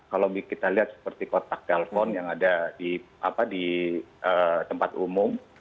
kalau kita lihat seperti kotak telpon yang ada di tempat umum